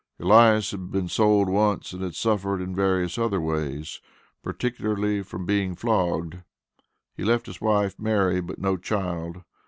Elias had been sold once, and had suffered in various other ways, particularly from being flogged. He left his wife, Mary, but no child.